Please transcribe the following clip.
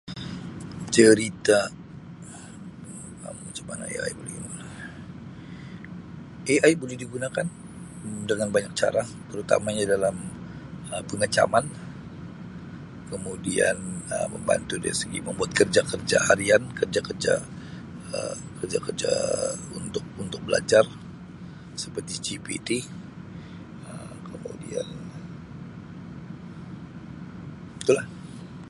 Cerita [unintelligible] macam mana AI boleh digunakan, AI digunakan Um dengan banyak cara terutamanya dalam Um pengecaman, kemudian Um membantu dari segi membuat kerja-kerja harian, kerja-kerja Um kerja-kerja untuk-untuk belajar seperti GPT Um kemudian tulah.